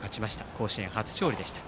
甲子園初勝利でした。